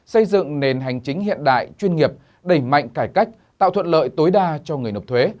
xây dựng nền hành chính hiện đại chuyên nghiệp đẩy mạnh cải cách tạo thuận lợi tối đa cho người nộp thuế